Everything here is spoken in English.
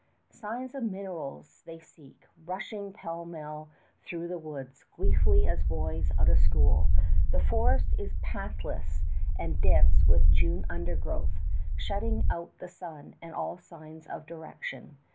Signs of minerals they seek, rushing pellmell through the woods, gleeful as boys out of school. The forest is pathless and dense with June undergrowth, shutting out the sun and all sign of direction.